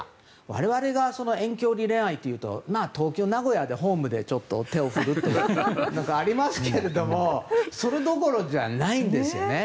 我々が遠距離恋愛っていうとまあ、東京名古屋でホームでちょっと手を振るとかありますがそれどころじゃないんですね。